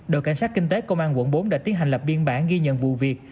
đội cảnh sát kinh tế công an quận bốn đã tiến hành lập biên bản ghi nhận vụ việc